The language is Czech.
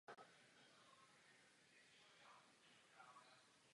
Jsme znepokojeni možností vypuknutí nového konfliktu mezi Ázerbájdžánem a Arménií.